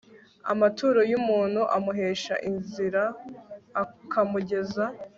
Amaturo y umuntu amuhesha inzira Akamugeza